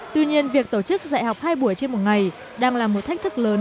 tuy nhiên việc tổ chức dạy học hai buổi trên một ngày đang là một thách thức lớn